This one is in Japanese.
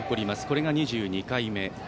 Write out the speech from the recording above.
これが２２回目。